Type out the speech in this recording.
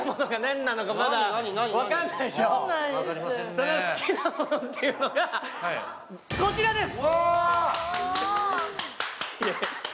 その好きなものというのがこちらです！